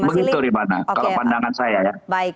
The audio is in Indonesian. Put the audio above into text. begitu rifana kalau pandangan saya